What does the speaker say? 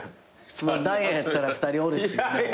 ダイアンやったら２人おるし。